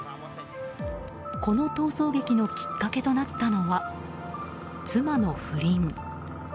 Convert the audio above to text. この逃走劇のきっかけとなったのは、妻の不倫。